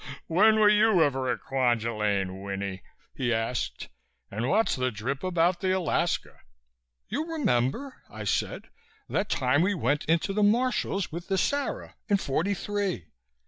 "When were you ever at Kwajalein, Winnie?" he asked. "And what's the drip about the Alaska?" "You remember," I said. "That time we went into the Marshalls with the Sara in forty three.